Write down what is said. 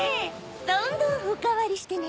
どんどんおかわりしてね！